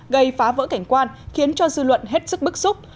gây phá vỡ cảnh quan khiến cho dư luận hết sức bức xúc